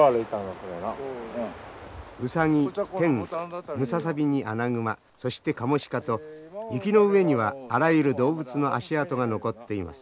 ウサギテンムササビにアナグマそしてカモシカと雪の上にはあらゆる動物の足跡が残っています。